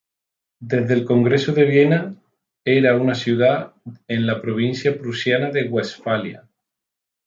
Desde el Congreso de Viena era una ciudad en la provincia prusiana de Westfalia.